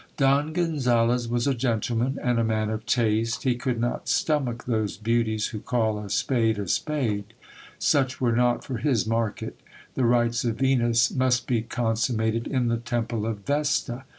Don Gonzales was a gentleman and a man of taste ; he could not stomach 148 GIL BLAS. those beauties who call a spade a spade. Such were not for his market ; the rites of Venus must be consummated in the temple of Vesta.